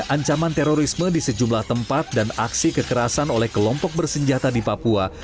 ancaman terorisme di sejumlah tempat dan aksi kekerasan oleh kelompok bersenjata di papua